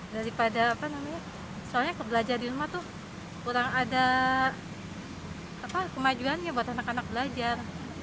daripada soalnya kebelajar di rumah tuh kurang ada kemajuannya buat anak anak belajar